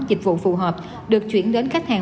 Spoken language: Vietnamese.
dịch vụ phù hợp được chuyển đến khách hàng